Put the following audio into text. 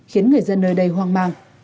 khiến người dân nơi đây hoang mang